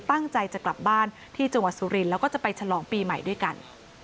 ตั้งใจจะกลับบ้านที่จังหวัดสุรินทร์แล้วก็จะไปฉลองปีใหม่ด้วยกัน